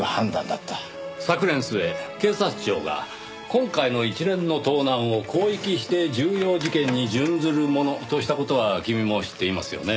昨年末警察庁が今回の一連の盗難を広域指定重要事件に準ずるものとした事は君も知っていますよね？